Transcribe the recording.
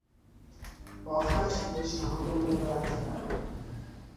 با خشم پیشنهاد او را رد کردم.